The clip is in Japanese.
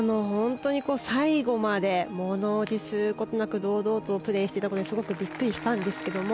最後までものおじすることなく堂々とプレーしていたのですごくびっくりしたんですけれども。